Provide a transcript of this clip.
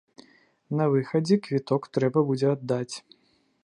На выхадзе квіток трэба будзе аддаць.